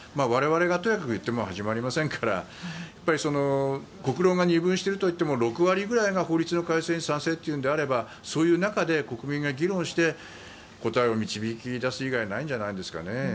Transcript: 我々がとやかく言っても始まりませんから国論が二分しているとはいっても６割ぐらいが法律の改正に賛成というのであればそういう中で国民が議論して答えを導き出す以外ないんじゃないんですかね。